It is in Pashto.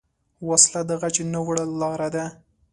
وسله د غچ ناوړه لاره ده